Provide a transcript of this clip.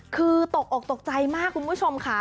คือตกอกตกใจมากคุณผู้ชมค่ะ